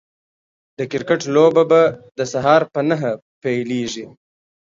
د کرکټ لوبه به د سهار په نهه پيليږي